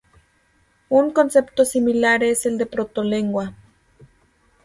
Un concepto similar es el de protolengua.